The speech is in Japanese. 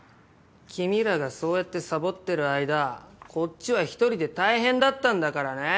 君らがそうやってサボってる間こっちは１人で大変だったんだからね。